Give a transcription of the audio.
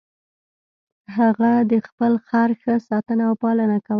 هغه د خپل خر ښه ساتنه او پالنه کوله.